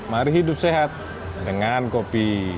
mari hidup sehat dengan kopi